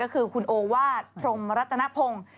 ก็คือคุณโอวาสพรมรัตนพงศ์